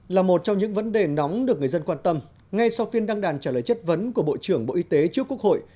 là một trong những vấn đề nóng được người dân quan tâm ngay sau phiên đăng đàn trả lời chất vấn của bộ trưởng bộ y tế trước quốc hội